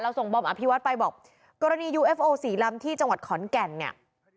ส่งบอมอภิวัตไปบอกกรณียูเอฟโอสี่ลำที่จังหวัดขอนแก่นเนี่ย